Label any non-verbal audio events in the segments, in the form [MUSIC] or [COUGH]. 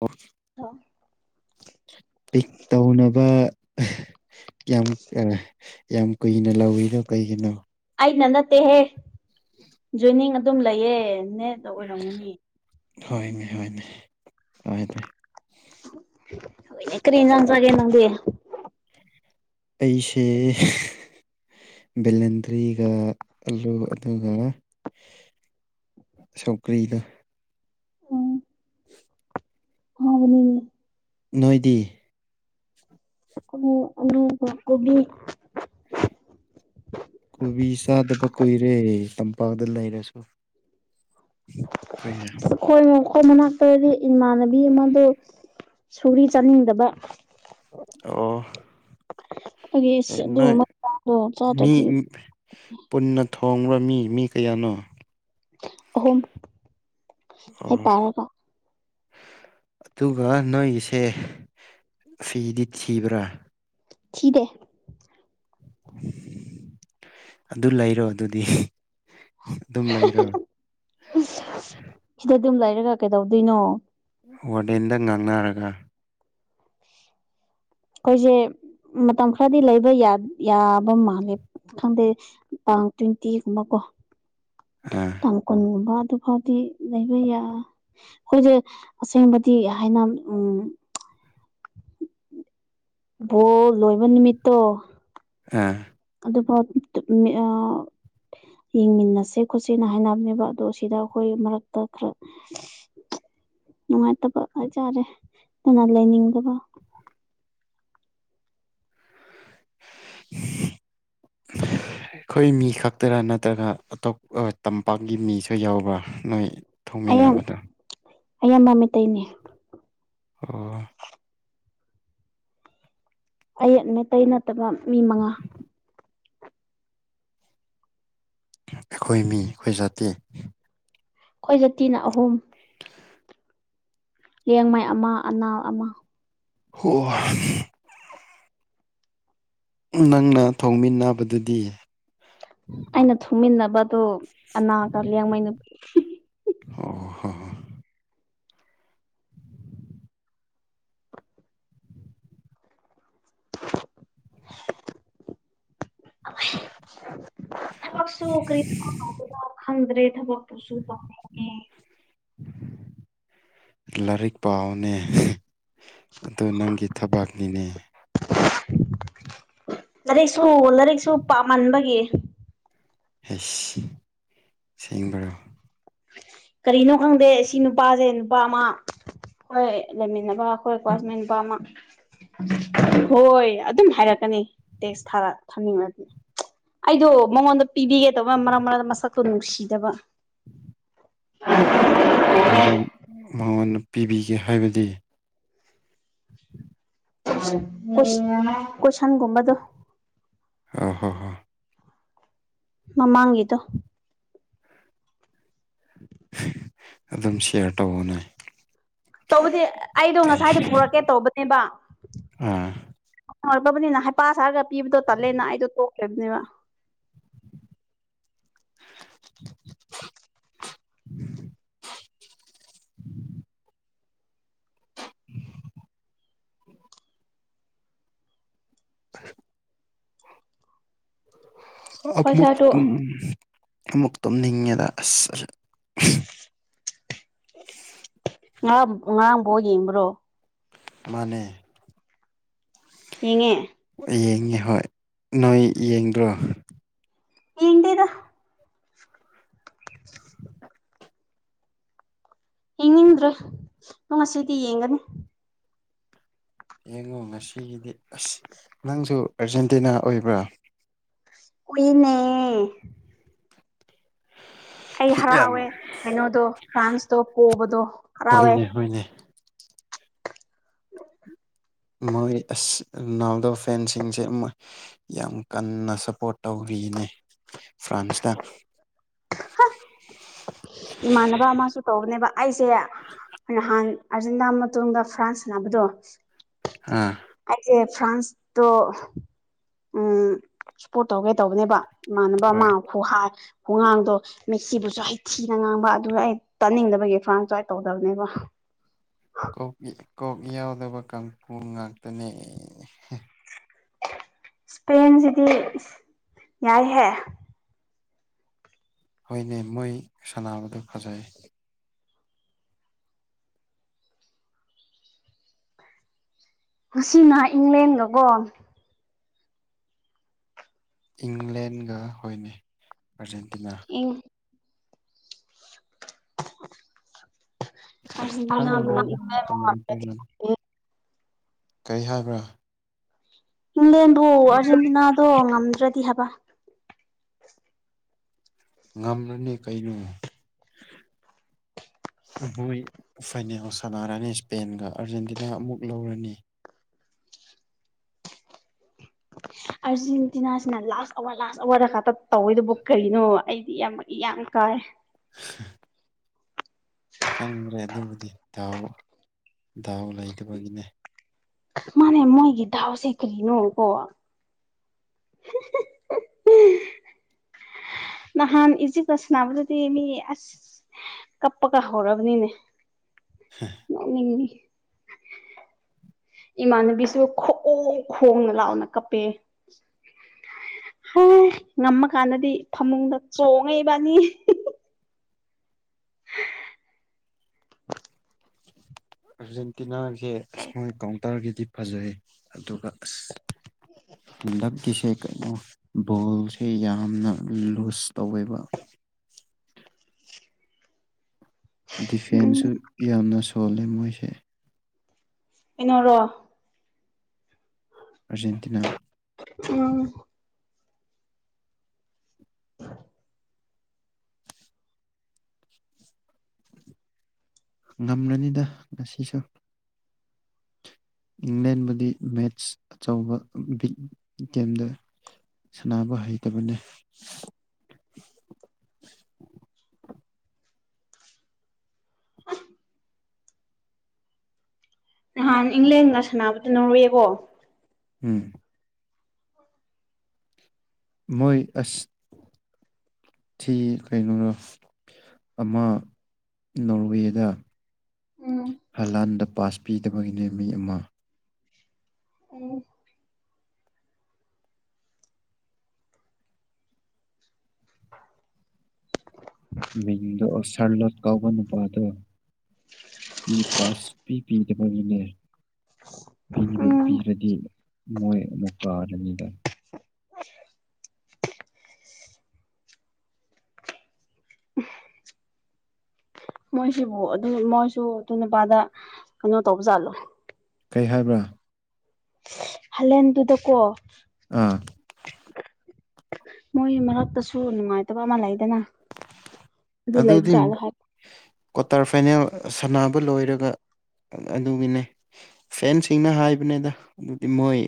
ꯑꯣ ꯂꯣ ꯏꯤꯛ ꯇꯧꯅꯕ ꯌꯥꯝ ꯑ ꯌꯥꯝ ꯀꯨꯏꯅ ꯂꯧꯋꯤꯅꯣ ꯀꯩꯒꯤꯅꯣ ꯑꯩꯅ ꯅꯠꯇꯦꯍꯦ ꯖꯣꯏꯅꯤꯡ ꯑꯗꯨꯝ ꯂꯩꯌꯦ ꯅꯦꯠꯅ ꯑꯣꯏꯔꯝꯒꯅꯤ ꯍꯣꯏꯅꯦ ꯍꯣꯏꯅꯦ ꯍꯣꯏꯅꯦ ꯀꯔꯤ ꯏꯟꯖꯥꯡ ꯆꯥꯒꯦ ꯅꯪꯗꯤ ꯑꯩꯁꯤ ꯕꯦꯂꯦꯟꯗ꯭ꯔꯤꯒ ꯑꯂꯨ ꯑꯗꯨꯒ ꯁꯧꯒ꯭ꯔꯤꯒ ꯑꯝ [UNINTELLIGIBLE] ꯅꯣꯏꯗꯤ ꯑꯂꯨ ꯑꯂꯨꯒ ꯀꯣꯕꯤ ꯀꯣꯕꯤ ꯆꯥꯗꯕ ꯀꯨꯏꯔꯦ ꯇꯝꯄꯥꯛꯗ ꯂꯩꯔꯁꯨ ꯐꯩꯅꯦ ꯈꯣꯏ ꯃꯈꯣꯏ ꯃꯅꯥꯛꯇꯗꯤ ꯏꯃꯥꯟꯅꯕꯤ ꯑꯃꯗꯨ ꯁꯣꯔꯤ ꯆꯥꯅꯤꯡꯗꯕ ꯑꯣ ꯑꯩꯒꯤ ꯑꯦ ꯑꯁ ꯅꯣꯏ ꯑꯗꯨꯒꯨꯝꯕ ꯆꯥꯗꯣ ꯃꯤ ꯆꯥꯗ꯭ꯔꯗꯤ ꯄꯨꯟꯅ ꯊꯣꯡꯕ꯭ꯔ ꯃꯤ ꯃꯤ ꯀꯌꯥꯅꯣ ꯑꯍꯨꯝ ꯑꯩ ꯑꯝ ꯄꯥꯔꯒ ꯑꯗꯨꯒ ꯅꯣꯏꯒꯤꯁꯦ ꯐꯤꯗꯤ ꯊꯤꯕ꯭ꯔꯥ ꯊꯤꯗꯦ ꯑꯗꯨ ꯂꯩꯔꯣ ꯑꯗꯨꯗꯤ ꯑꯗꯨꯝ ꯂꯩꯔꯣ ꯑ ꯁꯤꯗ ꯑꯗꯨꯝ ꯂꯩꯔꯒ ꯀꯩꯗꯧꯗꯣꯏꯅꯣ ꯋꯥꯔꯗꯦꯟꯗ ꯉꯥꯡꯅꯔꯒ ꯑꯩꯈꯣꯏꯁꯦ ꯃꯇꯝ ꯈꯔꯗꯤ ꯂꯩꯕ ꯌꯥꯕ ꯃꯥꯜꯂꯦ ꯈꯪꯗꯦ ꯇꯥꯡ ꯇ꯭ꯋꯦꯟꯇꯤꯒꯨꯝꯕ ꯀꯣ ꯑ ꯇꯥꯡ ꯀꯨꯟꯒꯨꯝꯕ ꯑꯗꯨꯐꯥꯎꯗꯤ ꯂꯩꯕ ꯌꯥ ꯑꯩꯈꯣꯏꯁꯦ ꯑꯁꯦꯡꯕꯗꯤ ꯍꯥꯏꯅ ꯎꯝ ꯕꯣ ꯂꯣꯏꯕ ꯅꯨꯃꯤꯠꯇꯣ ꯑꯥ ꯑꯗꯨꯐꯥꯎ ꯇꯨ ꯃꯤ ꯑ ꯌꯦꯡꯃꯤꯟꯅꯁꯦ ꯈꯣꯠꯁꯦꯅ ꯍꯥꯏꯅꯕꯅꯦꯕ ꯑꯗꯣ ꯁꯤꯗ ꯑꯩꯈꯣꯏ ꯃꯔꯛꯇ ꯈꯔ ꯅꯨꯡꯉꯥꯏꯇꯕ ꯍꯥꯏꯇꯥꯔꯦ ꯄꯨꯟꯅ ꯂꯩꯥꯅꯤꯡꯗꯕ [UNINTELLIGIBLE] ꯑꯩꯈꯣꯏ ꯃꯤ ꯈꯛꯇꯔꯥ ꯅꯠꯇ꯭ꯔꯒ ꯑꯇꯣꯞ ꯑ ꯇꯝꯄꯥꯛꯀꯤ ꯃꯤꯁꯨ ꯌꯥꯎꯕ꯭ꯔꯥ ꯅꯣꯏ ꯑꯌꯥꯝ ꯊꯣꯡꯃꯤꯟꯅꯕꯗꯣ ꯑꯌꯥꯝꯕ ꯃꯩꯇꯩꯅꯦ ꯑꯣ ꯑꯌꯦꯠꯃꯩꯇꯩ ꯅꯠꯇꯕ ꯃꯤ ꯃꯉꯥ ꯑꯩꯈꯣꯏ ꯃꯤ ꯑꯩꯈꯣꯏ ꯖꯥꯇꯤ ꯑꯩꯈꯣꯏ ꯖꯥꯇꯤꯅ ꯑꯍꯨꯝ ꯌꯦꯡꯉꯥꯏ ꯑꯃ ꯑꯅꯥ ꯑꯃ ꯍ ꯅꯪꯅ ꯊꯧꯃꯤꯟꯅꯕꯗꯨꯗꯤ ꯑꯩꯅ ꯊꯨꯝꯃꯤꯟꯅꯕꯗꯨꯣ ꯑꯅꯥꯒ ꯂꯡꯉꯩ ꯅꯨꯄꯤ ꯑꯣ ꯍ ꯑ ꯊꯕꯛꯁꯨ ꯀꯔꯤ ꯈꯪꯗ꯭ꯔꯦ ꯊꯕꯛꯇꯨꯁꯨ ꯇꯧꯅꯤꯡꯉꯦ ꯎꯝ ꯂꯥꯏꯔꯤꯛ ꯄꯅꯦ ꯑ ꯅꯪꯒꯤ ꯊꯕꯛꯅꯤꯅꯦ ꯂꯥꯏꯔꯤꯛꯁꯨ ꯂꯥꯏꯔꯤꯛꯁꯨ ꯄꯥꯝꯃꯟꯕꯒꯤ ꯍꯁ ꯁꯦꯡꯕꯔꯣ ꯀꯔꯤꯅꯣ ꯈꯪꯗꯦ ꯁꯤ ꯅꯨꯄꯥꯁꯦ ꯅꯨꯄꯥ ꯑꯃ ꯍꯣꯏ ꯂꯩꯃꯤꯟꯅꯕ ꯑꯩꯈꯣꯏ ꯀ꯭ꯋꯥꯆꯃ ꯅꯨꯄꯥ ꯑꯃ ꯍꯣꯏ ꯑꯗꯨꯝ ꯍꯥꯏꯔꯛꯀꯅꯤ ꯇꯦꯛꯁ ꯊꯥꯔ ꯊꯝꯅꯤꯡꯉꯒ ꯑꯩꯗꯣ ꯃꯉꯣꯟꯗ ꯄꯤꯕꯤꯒꯦꯗꯕ ꯃꯔꯛ ꯃꯔꯛꯇ ꯃꯁꯛꯇꯣ ꯅꯨꯡꯁꯤꯗꯕ ꯃꯔꯝ ꯃꯉꯣꯟꯗ ꯄꯤꯕꯤꯒꯦ ꯍꯥꯏꯕꯗꯤ ꯀ ꯀꯁꯟꯒꯨꯝꯕꯗꯨꯣ ꯍ ꯍꯣ ꯍꯣ ꯃꯃꯥꯡꯒꯤꯗꯣ ꯎꯝ ꯑꯗꯨꯝ ꯁꯤꯌꯥꯔ ꯇꯧꯕꯅꯦ ꯇꯧꯕꯗꯤ ꯑꯩꯗꯣ ꯉꯁꯥꯏꯗꯤ ꯄꯨꯔꯛꯀꯦ ꯇꯧꯕꯅꯦꯕ ꯑꯥ ꯑꯣꯏꯔꯛꯛꯇꯕꯅꯤꯅ ꯍꯥꯏꯄꯥ ꯁꯥꯔꯒ ꯄꯤꯕꯗꯣ ꯇꯜꯂꯦꯅ ꯑꯩꯗꯣ ꯇꯣꯛꯕꯅꯦꯕ [INAUDIBLE] [INAUDIBLE] [INAUDIBLE] ꯍꯣꯏ ꯑꯞꯃ ꯁꯥꯔꯗꯣ ꯑꯃꯨꯛ ꯇꯨꯝꯅꯤꯡꯉꯦꯗ ꯑꯁ ꯑꯁ ꯋꯥ ꯋꯥ ꯕ ꯌꯦꯕ꯭ꯔꯣ ꯃꯥꯅꯦ ꯌꯦꯡꯉꯦ ꯌꯦꯡꯉꯤ ꯍꯣꯏ ꯅꯣꯏ ꯌꯦꯡꯗ꯭ꯔꯣ ꯌꯦꯟꯗꯤꯗ ꯍꯡꯅꯤꯡꯗ꯭ꯔꯦ ꯑꯗꯨꯣ ꯉꯁꯤꯗꯤ ꯌꯦꯡꯒꯅꯤ ꯌꯦꯡꯉꯣ ꯉꯁꯤꯒꯤꯗꯤ ꯑꯁ ꯅꯪꯁꯨ ꯑꯔꯖꯦꯟꯇꯤꯅꯥ ꯑꯣꯏꯕ꯭ꯔꯥ ꯏꯏꯅꯦ ꯑꯩ ꯌꯥꯝ ꯍꯔꯥꯎꯋꯦ ꯀꯩꯅꯣꯗꯣ ꯐ꯭ꯔꯥꯟꯁꯇꯣ ꯄꯣꯕꯗꯣ ꯍꯔꯥꯎꯋꯦ ꯑꯩꯣꯏꯅꯦ ꯃꯣꯏ ꯑꯁꯅꯥꯜꯗꯣ ꯐꯦꯟꯁꯤꯡꯁꯦꯣꯏ ꯌꯥꯝ ꯀꯟꯅ ꯁꯞꯄꯣꯔꯠ ꯇꯧꯔꯤꯅꯦ ꯐ꯭ꯔꯥꯟꯁꯇ ꯏꯃꯥꯟꯅꯕ ꯑꯃꯁꯨ ꯇꯧꯕꯅꯦꯕ ꯑꯩꯁꯦ ꯍꯥꯟ ꯑꯥꯔꯖꯦꯟꯇꯅꯥ ꯃꯇꯨꯡꯗ ꯐ꯭ꯔꯥꯟꯁ ꯕꯗꯣ ꯑꯥ ꯑꯩꯁꯦ ꯐ꯭ꯔꯥꯟꯁꯇꯣ ꯎꯝ ꯁꯄꯣꯔꯠ ꯇꯧꯒꯦ ꯇꯧꯕꯅꯦꯕ ꯏꯃꯥꯟꯅꯕ ꯍꯣꯏ ꯑꯃꯈꯨ ꯍꯥꯏ ꯍꯨꯉꯥꯡꯗꯣ ꯃꯦꯛꯁꯤꯕꯨꯁꯨ ꯍꯩ ꯊꯤꯅ ꯉꯥꯡꯕ ꯑꯗꯨ ꯑꯩ ꯇꯥꯅꯤꯡꯗꯕꯒꯤ ꯈꯧꯔꯥꯡ ꯇꯥꯏ ꯇꯧꯗꯕꯅꯦꯕꯣ ꯀꯣꯛ ꯀꯣꯛ ꯌꯥꯎꯗꯕ ꯀꯥꯡꯕꯨꯨ ꯉꯥꯛꯇꯅꯦ ꯏꯁꯄꯦꯟꯁꯤꯗꯤ ꯌꯥꯏꯍꯦ ꯍꯣꯏꯅꯦ ꯃꯣꯏ ꯁꯥꯟꯅꯕꯗꯨꯣ ꯐꯖꯩ ꯀꯁꯤ ꯅꯍꯥꯛ ꯏꯪꯂꯦꯟꯒꯀꯣ ꯏꯪꯂꯦꯟꯒ ꯍꯣꯏꯅꯤ ꯑꯥꯔꯖꯦꯟꯇꯤꯅꯥ ꯏꯪ ꯑꯔꯖꯦꯟꯇꯤꯅꯥꯕꯨ ꯏ ꯈꯪꯗ꯭ꯔꯦꯗ [UNINTELLIGIBLE] [UNINTELLIGIBLE] ꯀꯩ ꯍꯥꯏꯕ꯭ꯔꯥ ꯏꯪꯂꯦꯟꯕꯨ ꯑꯥꯔꯖꯦꯟꯇꯤꯅꯥꯗꯣ ꯉꯝꯗ꯭ꯔꯗꯤ ꯍꯥꯏꯕ ꯉꯝꯂꯅꯤ ꯀꯩꯅꯣ ꯃꯣꯏ ꯐꯥꯏꯅꯦꯜ ꯁꯥꯟꯅꯔꯅꯤ ꯏꯁꯄꯦꯟꯒ ꯑꯥꯔꯖꯦꯟꯇꯤꯅꯥ ꯑꯃꯨꯛ ꯂꯧꯔꯅꯤ ꯑꯥꯔꯖꯦꯟꯇꯤꯅꯥꯁꯤꯅ ꯂꯥꯁ ꯑꯋꯥꯔ ꯂꯥꯁ ꯑꯋꯥꯔꯗ ꯈꯛꯇ ꯇꯧꯋꯦꯗꯨꯕꯨ ꯀꯔꯤꯅꯣ ꯑꯩꯗꯤ ꯌꯥꯝ ꯌꯥꯝ ꯀꯥꯏ [INAUDIBLE] ꯈꯪꯗꯔꯦ ꯑꯗꯨꯕꯨꯗꯤ ꯗꯥꯎ ꯗꯥꯎ ꯂꯩꯇꯕꯒꯤꯅꯦ ꯃꯥꯅꯦ ꯃꯣꯏꯒꯤ ꯗꯥꯎꯁꯦ ꯀꯔꯤꯅꯣ ꯀꯣ [INAUDIBLE] ꯅꯍꯥꯟ ꯏꯖꯤꯞꯀ ꯁꯥꯅꯕꯗꯨꯗꯤ ꯃꯤ ꯑꯁ ꯀꯞꯄꯀ ꯍꯧꯔꯕꯅꯤꯅꯦ ꯅꫭꯛꯅꯤꯡ ꯏ ꯏꯃꯥꯟꯅꯕꯤꯁꯨ ꯈꯣꯛꯎ ꯈꯣꯡꯅ ꯂꯥꯎꯅ ꯀꯞꯄꯦ ꯍ ꯉꯝꯃꯀꯥꯟꯗꯗꯤ ꯐꯃꯨꯡꯗ ꯆꯣꯡꯉꯑꯦꯏꯕꯅꯤ ꯑꯥꯔꯖꯦꯟꯇꯤꯅꯥꯁꯦ ꯑꯁ ꯃꯣꯏ ꯀꯥꯎꯟꯇꯔꯒꯤꯗꯤ ꯐꯖꯩ ꯑꯗꯨꯒ ꯑꯁ [UNINTELLIGIBLE] ꯀꯁꯦ ꯀꯩꯅꯣ ꯕꯣꯜꯁꯦ ꯌꯥꯝꯅ ꯂꯨꯖ ꯇꯧꯋꯦꯕ ꯎꯝ ꯗꯤꯐꯦꯟꯁꯨ ꯌꯥꯝꯅ ꯁꯣꯜꯂꯦ ꯃꯣꯏꯁꯦ ꯀꯩꯅꫭꯔꯣ ꯑꯔꯖꯦꯟꯇꯤꯅꯥ ꯎꯝ ꯉꯝꯂꯅꯤꯗ ꯉꯁꯤꯁꯨ ꯏꯪꯂꯦꯟꯕꯨꯗꯤ ꯃꯦꯠꯁ ꯑꯆꯧꯕ ꯕꯤꯠ [UNINTELLIGIBLE] ꯒꯦꯝꯗ ꯁꯥꯟꯅꯕ ꯍꯩꯇꯕꯅꯦ ꯅꯍꯥꯟ ꯏꯪꯂꯦꯟꯒ ꯁꯥꯟꯅꯕꯗꯨ ꯅꯣꯔꯋꯦꯀꫭ ꯎꯝ ꯃꯣꯏ ꯑꯁ ꯊꯤ ꯀꯩꯅꯣꯔꯣ ꯑꯃ ꯅꯣꯔꯋꯦꯗ ꯎꯝ ꯍꯂꯥꯟꯗ ꯄꯥꯁ ꯄꯤꯗꯕꯒꯤꯅꯦ ꯃꯤ ꯑꯃ ꯑꫭ ꯃꯤꯡꯗꯣ ꯑꯔꯁꯔ ꯂꯣ ꯀꯥꯎꯕ ꯅꯨꯄꯥ ꯑꯗꯣ ꯄꯤ ꯄꯥꯁ ꯄꯤ ꯄꯤꯗꯕꯒꯤꯅꯦ ꯎꯝ ꯄꯤꯔꯗꯤ ꯃꯣꯏ ꯑꯃꯨꯛ ꯀꯥꯔꯅꯤꯗ ꯃꯣꯏꯁꯤꯕꯨ ꯑꯗꯨ ꯃꯣꯏꯁꯨ ꯑꯗꯨ ꯅꯨꯄꯥꯗ ꯀꯩꯅꯣ ꯇꯧꯕꯖꯥꯠꯂꯣ ꯀꯩ ꯍꯥꯏꯕ꯭ꯔꯥ ꯍꯂꯦꯟꯗꯨꯗꯀꯣ ꯑꯥ ꯃꯣꯏ ꯃꯔꯛꯇꯁꯨ ꯅꯨꯡꯉꯥꯏꯇꯕ ꯑꯃ ꯂꯩꯗꯅ ꯑꯗꯨ ꯂꯩꯕ ꯑꯗꯨꯗꯤ ꯖꯥꯠꯂꯥ ꯍꯥꯏ ꯀ꯭ꯋꯥꯇꯔ ꯐꯥꯏꯅꯦꯜ ꯁꯥꯟꯅꯕ ꯂꯣꯏꯔꯒ ꯑꯗꯨꯒꯤꯅꯦ ꯐꯦꯟꯁꯤꯡꯅ ꯍꯥꯏꯕꯅꯤꯗ ꯑꯗꯨꯗꯤ ꯃꯣꯏ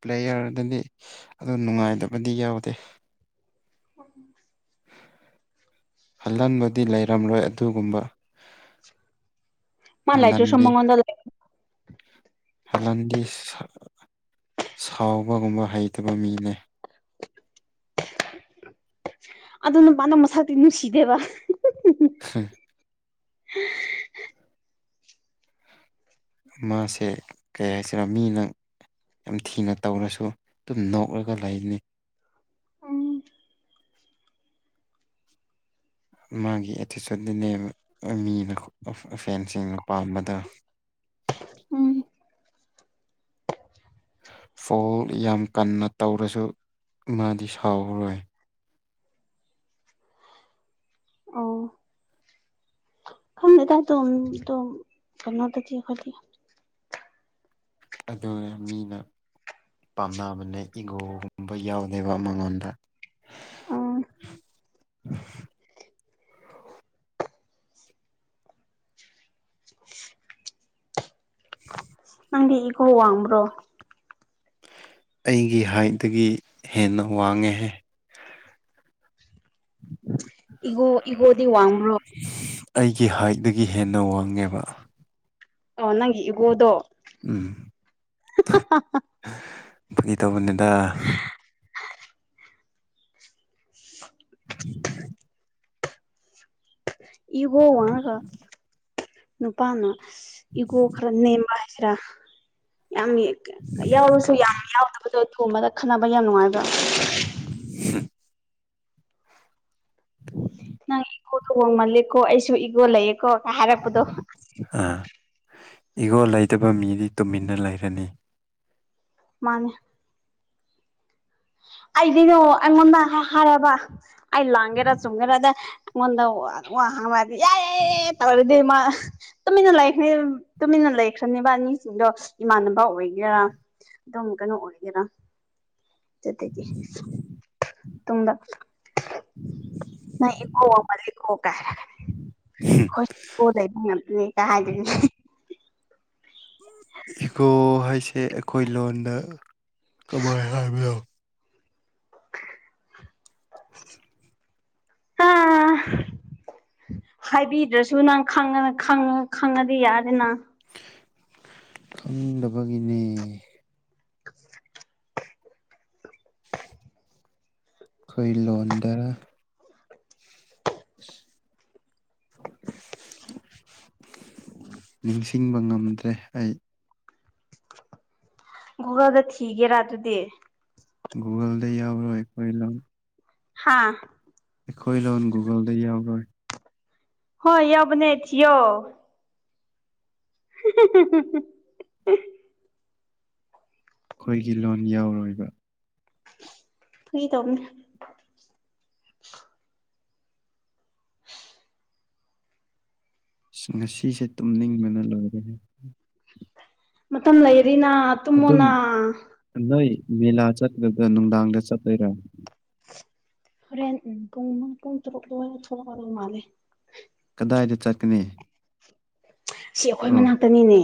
ꯄ꯭ꯂꯦꯌꯥꯔꯗꯗꯤ ꯑꯗꯨ ꯅꯨꯡꯉꯥꯏꯇꯕꯗꯤ ꯌꯥꯎꯗꯦ [UNINTELLIGIBLE] ꯍꯜꯂꯥꯟꯕꯨꯗꯤ ꯂꯩꯔꯝꯂꯣꯏ ꯑꯗꯨꯒꯨꯝꯕ [INAUDIBLE] ꯃꯥ ꯂꯥꯏꯇ꯭ꯔꯁꯨ ꯍꯜꯍꯟꯗꯤ ꯃꯒꯣꯟꯗ ꯍꯜꯂꯥꯟꯗꯤ ꯁꯥꯎꯕꯒꯨꯝꯕ ꯍꯩꯇꯕ ꯃꯤꯅꯦ ꯑꯗꯨ ꯅꯨꯄꯥꯗꫭ ꯃꯁꯛꯇꯤ ꯅꯨꯡꯁꯤꯗꯦꯕ ꯃꯥꯁꯦ ꯀꯩ ꯍꯥꯏꯁꯤꯔꯣ ꯃꯤꯅꯪ ꯌꯥꯝ ꯊꯤꯅ ꯇꯧꯔꯁꯨ ꯑꯗꯨꯝ ꯅꯣꯛꯂꯒ ꯂꯩꯅꯤ ꯑꯝ ꯃꯥꯒꯤ ꯑꯦꯇꯤꯆꯨꯠꯇꯅꯦꯕ ꯃꯤꯅ ꯐꯦꯟꯁꯤꯡꯅ ꯄꯥꯝꯕꯗ ꯎꯝ ꯐꯣꯜ ꯌꯥꯝ ꯀꯟꯅ ꯇꯧꯔꯁꯨ ꯃꯥꯗꯤ ꯁꯥꯎꯔꯣꯏ ꯑꯣ ꯈꯝꯗꯦꯗ ꯗꯣꯝ ꯗꯣꯝ ꯐꯝꯅꯗꯗꯤ ꯈꯣꯗꯤ ꯑꯗꯨ ꯃꯤꯅ ꯄꯥꯝꯅꯕꯅꯦ ꯏꯒꯣꯒꯨꯝꯕ ꯌꯥꯎꯗꯦꯕ ꯃꯉꯣꯟꯗ ꯎꯝ ꯅꯪꯗꯤ ꯏꯒꯣ ꯋꯥꯡꯕ꯭ꯔꯣ ꯑꯩꯒꯤ ꯍꯥꯏꯠꯇꯒꯤ ꯍꯦꯟꯅ ꯋꯥꯡꯉꯦꯍ ꯏꯒꯣ ꯏꯒꯗꯤ ꯋꯥꯡ꯭ꯔꯣ ꯑꯩꯒꯤ ꯍꯥꯏꯠꯇꯒꯤ ꯍꯦꯟꯅ ꯋꯥꯡꯉꯦꯕ ꯑꯣ ꯅꯪ ꯏꯒꯣꯗꯣ ꯎꯝ ꯀꯩ ꯇꯧꯕꯅꯤꯗ [UNINTELLIGIBLE] ꯎꯝ ꯏꯒꯣ ꯋꯥꯒ ꯅꯨꯄꯥꯅ ꯏꯒꯣ ꯈꯔ ꯅꯦꯝꯕ ꯈꯔ ꯌꯥꯝ ꯌꯥꯎꯁꯨ ꯌꯥꯎ ꯑꯗꯣ ꯊꯣꯡꯕꯗ ꯈꯟꯅꯕ ꯌꯥꯝ ꯅꯨꯡꯉꯥꯏꯕ ꯍ [UNINTELLIGIBLE] ꯅꯪ ꯏꯒꯣꯗꯨ ꯍꯣꯡꯃꯜꯂꯦꯀꯣ ꯑꯩꯁꯨ ꯏꯒꯣ ꯂꯩꯌꯦꯀꯣ ꯍꯥꯏꯔꯛꯄꯗꯣ ꯑꯥ ꯏꯒꯣ ꯂꯩꯇꯕ ꯃꯤꯗꯤ ꯇꯨꯃꯤꯟꯅ ꯂꯩꯔꯅꯤ ꯃꯥꯅꯦ ꯑꯩꯗꯤ ꯅ ꯑꯩꯉꯣꯟꯗ ꯍꯥꯏꯔꯕ ꯑꯩ ꯂꯥꯡꯒꯦꯔ ꯆꯨꯝꯒꯦꯔꯗ ꯃꯗ ꯋꯥ ꯍꯪꯂꯗꯤ ꯌꯥ ꯌꯥ ꯌꯥꯏ ꯇꯧꯔꯗꯤ ꯃꯥ ꯇꯨꯃꯤꯟꯅ ꯂꯩꯈ꯭ꯔꯦ ꯇꯨꯃꯤꯟꯅ ꯂꯩꯈ꯭ꯔꯅꯦꯕ ꯑꯅꯤꯁꯤꯡꯗꯣ ꯏꯃꯥꯟꯅꯕ ꯑꯣꯏꯒꯦꯔꯥ ꯑꯗꯨꯝ ꯀꯩꯅꯣ ꯑꯣꯏꯒꯦꯔꯥ ꯑꯗꯨꯇꯗꯒꯤ ꯇꯨꯡꯗ [UNINTELLIGIBLE] ꯅꯪ ꯏꯒꯣ ꯋꯥꯡꯃꯜꯂꯤꯀꯣ ꯀꯥꯏꯔ ꯈꯁꯗ ꯀꯖ [UNINTELLIGIBLE] ꯏꯒꯣ ꯍꯥꯏꯁꯦ ꯑꯩꯈꯣꯏ ꯂꯣꯟꯗ ꯀꯃꯥꯏ ꯍꯥꯏꯕꯅꯣ [UNINTELLIGIBLE] ꯑꯥ ꯍꯥꯏꯕꯤꯗ꯭ꯔꯁꯨ ꯅꯪ ꯈꯪꯉꯗꯤ ꯌꯥꯗꯦ ꯅꯪ ꯈꯪꯗꯕꯒꯤꯅꯦ [UNINTELLIGIBLE] ꯑꯩꯈꯣꯏ ꯂꯣꯟꯗ [UNINTELLIGIBLE] ꯅꯤꯡꯁꯤꯡꯕ ꯉꯝꯗ꯭ꯔꯦ ꯑꯩ ꯒꯨꯒꯜꯗ ꯊꯤꯒꯦꯔꯥ ꯑꯗꯨꯗꯤ ꯒꯨꯨꯒꯜꯗ ꯌꯥꯎꯔꯣꯏ ꯑꯩꯈꯣꯏ ꯂꯣꯟ ꯍꯥꯥ ꯑꯩꯈꯣꯏ ꯂꯣꯟ ꯒꯨꯒꯜꯗ ꯌꯥꯎꯔꯣꯏ ꯍꯣꯏ ꯌꯥꯎꯕꯅꯦ ꯊꯧꯌꯣ [UNINTELLIGIBLE] ꯑꯩꯈꯣꯏꯒꯤ ꯂꯣꯟ ꯌꯥꯎꯔꯣꯏꯕ ꯍ ꯇꯧꯅꯦ ꯑ ꯉꯁꯤꯁꯦ ꯇꯨꯝꯅꯤꯡꯕꯅ ꯂꯣꯏꯔꯦ ꯃꯇꯝ ꯂꯩꯔꯤꯅ ꯑꯗꯨꯝ ꯇꯨꯝꯃꯣꯅ ꯅꯣꯏ ꯃꯦꯂꯥ ꯆꯠꯂꯗ ꯅꯨꯡꯗꯥꯡꯗ ꯆꯠꯇꯠꯇꯣꯏꯔꯥ ꯍꯣꯔꯦꯟ ꯎꯝ ꯄꯨꯡ ꯄꯨꯡ ꯇꯔꯨꯛ ꯂꯣꯏꯔ ꯊꯣꯛꯛꯗ ꯃꯥꯜꯂꯦ ꯀꯗꯥꯏꯗ ꯆꯠꯀꯅꯤ ꯁꯤ ꯑꯩꯈꯣꯏ ꯑꯣ ꯃꯅꯥꯛꯇꯅꯤꯅꯦ